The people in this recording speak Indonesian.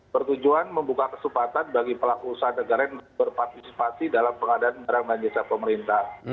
bertujuan membuka kesempatan bagi pelaku usaha negara yang berpartisipasi dalam pengadaan barang dan jasa pemerintah